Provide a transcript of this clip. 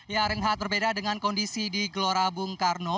ya renhat berbeda dengan kondisi di gelora bung karno